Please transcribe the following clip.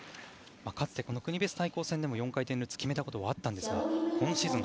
かつてこの国別対抗戦でも４回転ルッツを決めたことはあったんですが今シーズン